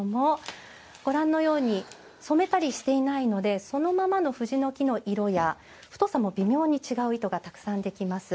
ご覧のように染めたりしていないのでそのままの藤の木の色や太さも微妙に違う糸がたくさんできます。